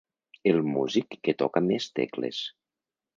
El músic que toca més tecles.